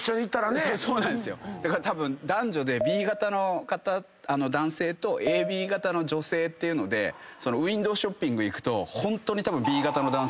たぶん男女でＢ型の男性とＡＢ型の女性っていうのでウインドーショッピング行くとホントにたぶん。